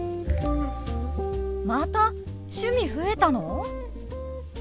また趣味増えたの！？